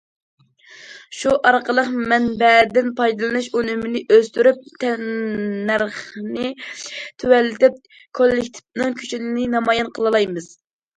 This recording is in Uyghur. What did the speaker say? شۇ ئارقىلىق مەنبەدىن پايدىلىنىش ئۈنۈمىنى ئۆستۈرۈپ، تەننەرخنى تۆۋەنلىتىپ كوللېكتىپنىڭ كۈچىنى نامايان قىلالايمىز.